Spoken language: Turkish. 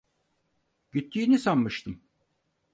Gittiğini sanmıştım.